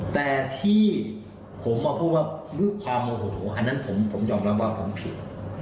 แต่ที่ผมมาพูดว่าด้วยความโมโหอันนั้นผมยอมรับว่าผมผิด